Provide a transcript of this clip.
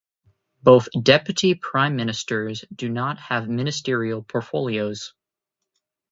Both Deputy prime ministers do not have ministerial portofolios.